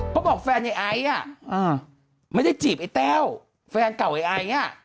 บอกแฟนไอ้ไอซ์อ่ะไม่ได้จีบไอ้แต้วแฟนเก่าไอ้ไออ่ะ